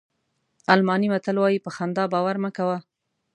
الماني متل وایي په خندا باور مه کوه.